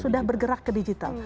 sudah bergerak ke digital